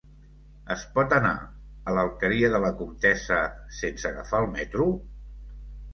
Es pot anar a l'Alqueria de la Comtessa sense agafar el metro?